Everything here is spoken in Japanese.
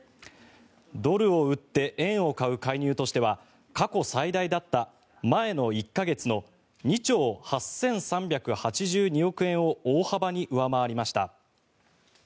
ドルを売って円を買う介入としては過去最大だった前の１か月の２兆８３８２億円を大幅に上回りました。